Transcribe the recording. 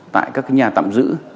tại các nhà tạm giữ